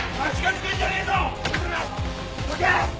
どけ！